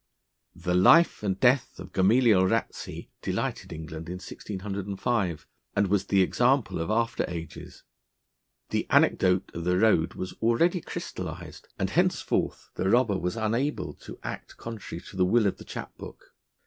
The Life and Death of Gamaliel Ratsey delighted England in 1605, and was the example of after ages. The anecdote of the road was already crystallised, and henceforth the robber was unable to act contrary to the will of the chap book.